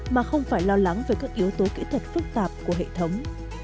mà không phải lo lắng về các yếu tố kỹ thuật phức tạp của hệ thống